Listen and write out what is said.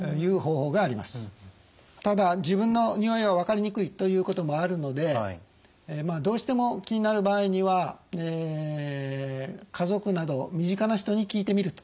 ただ自分のにおいは分かりにくいということもあるのでどうしても気になる場合には家族など身近な人に聞いてみるというのも有効だと思います。